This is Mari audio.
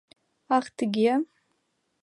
- Ах, тыге?